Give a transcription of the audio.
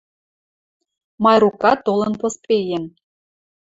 Майрукат толын поспеен.